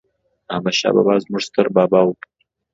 احمد شاه بابا ﺯموږ ستر بابا دي